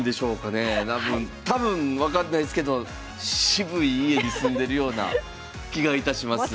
多分分かんないですけど渋い家に住んでるような気がいたします。